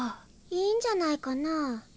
いいんじゃないかな。